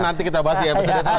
nanti kita bahas ya